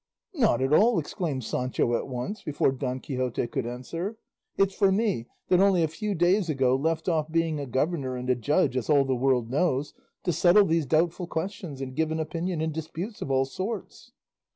"Not at all," exclaimed Sancho at once, before Don Quixote could answer; "it's for me, that only a few days ago left off being a governor and a judge, as all the world knows, to settle these doubtful questions and give an opinion in disputes of all sorts."